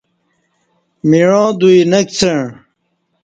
مِعاں دوی نہ کڅݩع